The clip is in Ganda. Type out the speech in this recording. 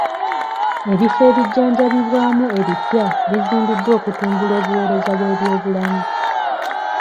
Ebifo ebijjanjabibwamu ebibya bizimbiddwa okutumbula obuweereza bw'ebyobulamu.